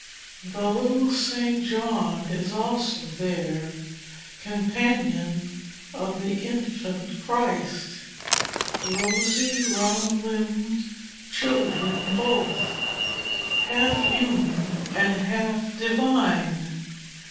The little St. John is also there, companion of the Infant Christ; rosy, round limbed children both, half human and half divine.